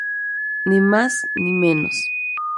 Ni más, ni menos.